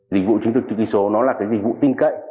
dịch vụ chứng thực chữ ký số nó là cái dịch vụ tin cậy